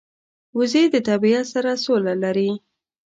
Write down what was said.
وزې د طبیعت سره سوله لري